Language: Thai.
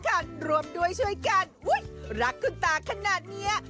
กันรวมด้วยช่วยกันอุ๊ยรักคุณตาขนาดเนี้ย